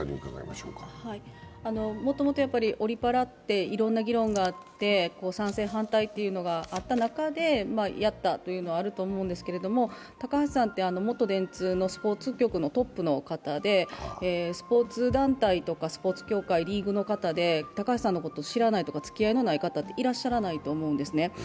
もともとオリパラっていろんな議論があって、賛成、反対というのがあった中でやったというのはあると思うんですけど高橋さんって元電通のスポーツ局のトップの方でスポーツ団体とか、スポーツ協会、リーグの方で高橋さんのことを知らないとか、つきあいのない方っていらっしゃらないと思うんですね。